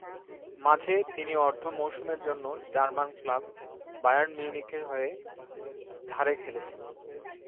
মাঝে তিনি অর্ধ মৌসুমের জন্য জার্মান ক্লাব বায়ার্ন মিউনিখের হয়ে ধারে খেলেছেন।